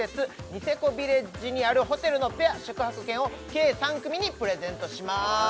ニセコビレッジにあるホテルのペア宿泊券を計３組にプレゼントします